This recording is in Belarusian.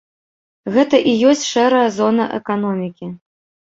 Гэта і ёсць шэрая зона эканомікі.